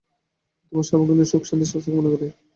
তোমার সর্বাঙ্গীণ সুখ শান্তি ও স্বাস্থ্য কামনা করি।